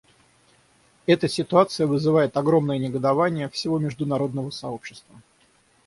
Эта ситуация вызывает огромное негодование всего международного сообщества.